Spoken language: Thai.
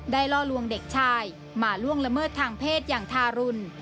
ล่อลวงเด็กชายมาล่วงละเมิดทางเพศอย่างทารุณ